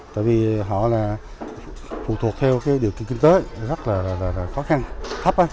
tại vì họ là phụ thuộc theo điều kiện kinh tế rất là khó khăn thấp